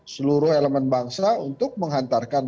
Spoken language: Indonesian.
seluruh elemen bangsa untuk menghantarkan